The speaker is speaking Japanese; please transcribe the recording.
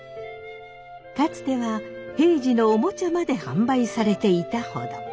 かつては平治のおもちゃまで販売されていたほど。